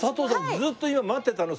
ずっと今待ってたの？